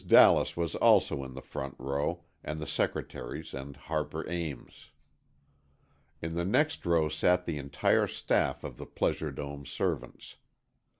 Dallas was also in the front row, and the secretaries and Harper Ames. In the next row sat the entire staff of the Pleasure Dome servants.